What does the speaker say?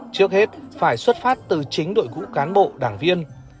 trước hết phải xuất phát từ chính đội ngũ cán bộ đảng viên